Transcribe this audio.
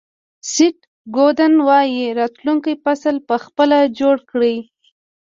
سیټ گودن وایي راتلونکی فصل په خپله جوړ کړئ.